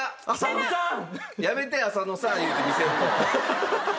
やめて「浅野さん！」言うて見せるの。